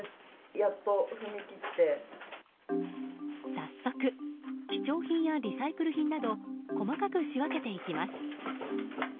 早速、貴重品やリサイクル品など細かく仕分けていきます。